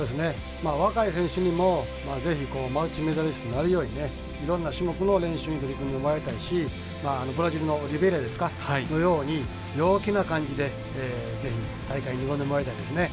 若い選手にもぜひ、マルチメダリストになるようにいろんな種目の練習に取り組んでもらいたいしブラジルのリベイラのように陽気な感じで、ぜひ大会に臨んでもらいたいですね。